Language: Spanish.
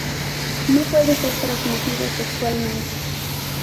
No puede ser transmitido sexualmente.